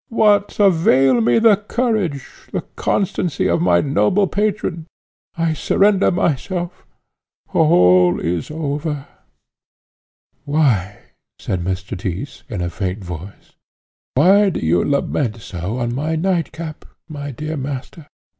What avail me the courage, the constancy of my noble patron? I surrender myself! All is over." "Why," said Mr. Tyss, in a faint voice "why do you lament so on my nightcap, my dear master?